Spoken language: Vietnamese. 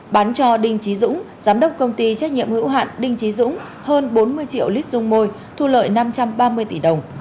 bán cho đinh trí dũng giám đốc công ty trách nhiệm hữu hạn đinh trí dũng hơn bốn mươi triệu lít dung môi thu lợi năm trăm ba mươi tỷ đồng